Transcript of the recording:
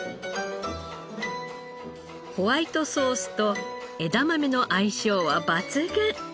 ホワイトソースと枝豆の相性は抜群！